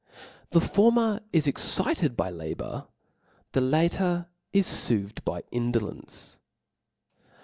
The former is excited by la and 4, bour, the latter is foothed by indolence.